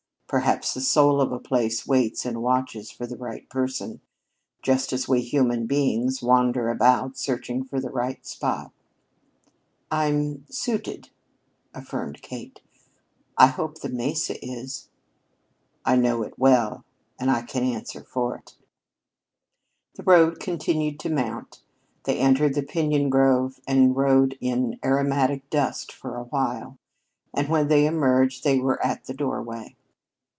"Perhaps the soul of a place waits and watches for the right person, just as we human beings wander about searching for the right spot." "I'm suited," affirmed Kate. "I hope the mesa is." "I know it well and I can answer for it." The road continued to mount; they entered the piñon grove and rode in aromatic dusk for a while, and when they emerged they were at the doorway.